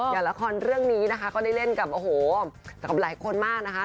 อย่างละครเรื่องนี้นะคะก็ได้เล่นกับโอ้โหแต่กับหลายคนมากนะคะ